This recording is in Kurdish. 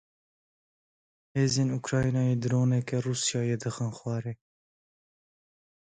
Hêzên Ukraynayê droneke Rûsyayê dixin xwarê.